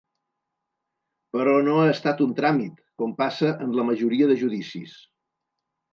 Però no ha estat un tràmit, com passa en la majoria de judicis.